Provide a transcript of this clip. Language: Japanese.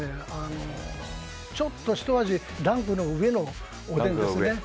ちょっと、ひと味ランクの上のおでんですね。